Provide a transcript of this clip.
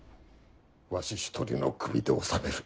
わし一人の首で収める。